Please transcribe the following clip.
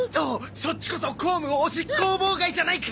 そっちこそ公務おしっこー妨害じゃないか！